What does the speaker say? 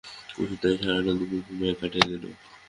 কুসুম তাই সারাটা দুপুর ঘুমাইয়া কাটাইয়া দিল।